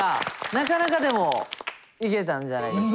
なかなかでもいけたんじゃないですか。